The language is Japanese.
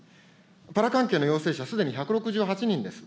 パラ関係の陽性者すでに１６８人です。